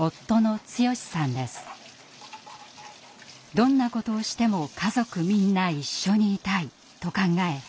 どんなことをしても家族みんな一緒にいたいと考え